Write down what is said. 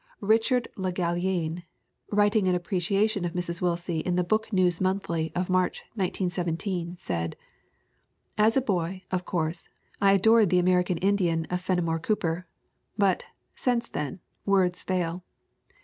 Richard Le Gallienne, writing an appreciation of Mrs. Willsie in the Book News Monthly of March, 1917, said: "As a boy, of course, I adored the American In dian of Fenimore Cooper, but, since then, words fail.